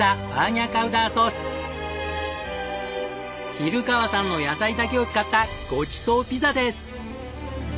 比留川さんの野菜だけを使ったごちそうピザです！